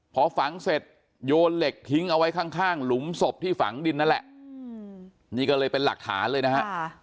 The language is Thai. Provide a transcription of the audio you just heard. พอฝังเสร็จโยนเหล็กทิ้งเอาไว้ข้างหลุมศพที่ฝังดินนั่นแหละนี่ก็เลยเป็นหลักฐานเลยนะฮะ